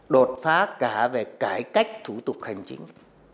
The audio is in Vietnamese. đột phá cả về cải cách thủ tục hành chính